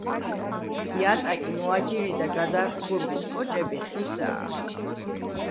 იატაკი, მოაჯირი და გადახურვის კოჭები ხისაა.